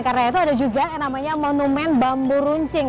karena itu ada juga yang namanya monumen bambu runcing